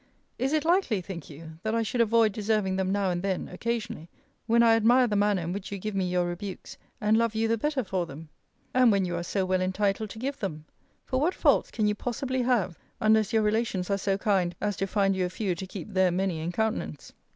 Is it likely, think you, that I should avoid deserving them now and then, occasionally, when I admire the manner in which you give me your rebukes, and love you the better for them? And when you are so well entitled to give them? For what faults can you possibly have, unless your relations are so kind as to find you a few to keep their many in countenance?